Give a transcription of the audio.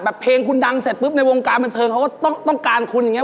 เพลงคุณดังเสร็จปุ๊บในวงการบันเทิงเขาก็ต้องการคุณอย่างนี้